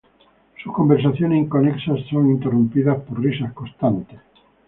Sus conversaciones inconexas son interrumpidas por risas constantes.